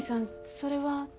それは。